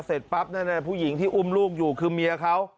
เสร็จปั๊บแป๊บผู้หญิงอุ้มลูกอยู่คือเจ้าเมียค่ะ